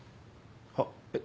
はっえっ？